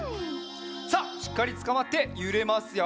さあしっかりつかまってゆれますよ。